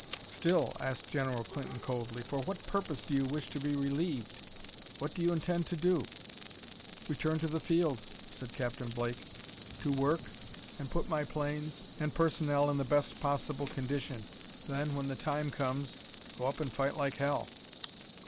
"Still," asked General Clinton coldly, "for what purpose do you wish to be relieved? What do you intend to do?" "Return to the field," said Captain Blake, "to work, and put my planes and personnel in the best possible condition; then, when the time comes, go up and fight like hell."